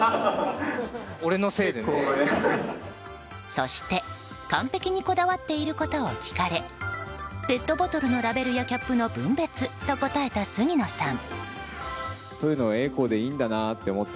そして、完璧にこだわっていることを聞かれペットボトルのラベルやキャップの分別と答えた杉野さん。